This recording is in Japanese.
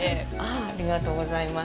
ありがとうございます。